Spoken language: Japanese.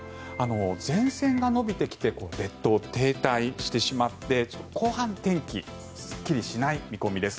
前線が延びてきて列島に停滞してしまって後半、天気すっきりしない見込みです。